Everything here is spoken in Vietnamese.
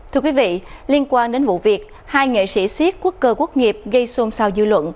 thưa quý vị liên quan đến vụ việc hai nghệ sĩ siết quốc cơ quốc nghiệp gây xôn xao dư luận